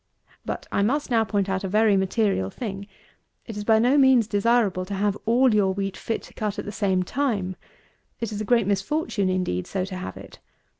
But I must now point out a very material thing. It is by no means desirable to have all your wheat fit to cut at the same time. It is a great misfortune, indeed, so to have it.